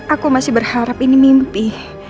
aku masih berharap ini mimpi